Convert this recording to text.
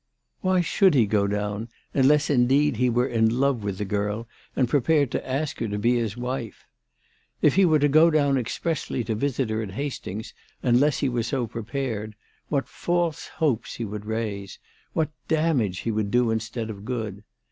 Why should he go down, unless indeed he were in love with the girl and prepared to ask her to be his wife ? If he were to go down expressly to visit her at Hastings THE TELEGEAPH GIRL. 295 unless lie were so prepared, what false hopes lie would raise ; what damage he would do instead of good